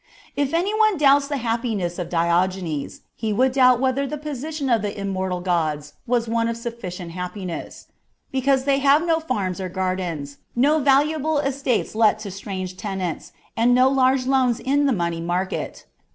If any one doubts the happiness of Diogenes, he would doubt whether the position of the immortal gods was one of sufficient happiness, 268 MINOR DIALOGUES. [bK. IX. because thej have no farms or gardens, no valuable estates let to strange tenants, and no large loans in the money market.